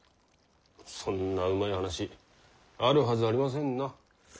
そんなうまい話あるはずありませんな。